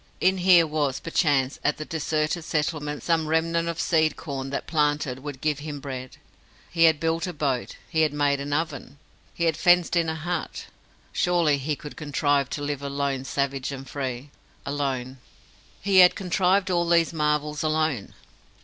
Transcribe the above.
In here was, perchance, at the deserted settlement some remnant of seed corn that, planted, would give him bread. He had built a boat, he had made an oven, he had fenced in a hut. Surely he could contrive to live alone savage and free. Alone! He had contrived all these marvels alone!